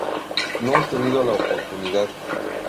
No he tenido la oportunidad.